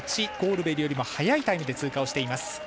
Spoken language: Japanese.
ゴールベリよりも早いタイムで通過しています。